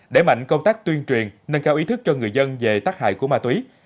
đẩy mạnh công tác tuyên truyền nâng cao ý thức cho người dân về tác hại của ma túy